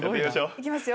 行きますよ。